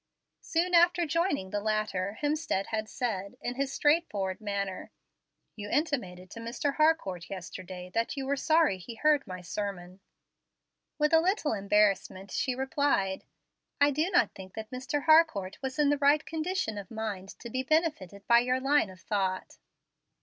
Soon after joining the latter, Hemstead had said, in his straightforward manner, "You intimated to Mr. Harcourt yesterday that you were 'sorry he heard my sermon.'" With a little embarrassment she replied, "I do not think that Mr. Harcourt was in the right condition of mind to be benefited by your line of thought."